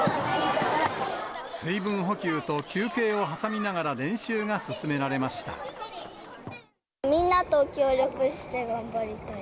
水分補給と休憩を挟みながらみんなと協力して頑張りたい